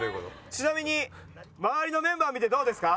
ちなみに周りのメンバー見てどうですか？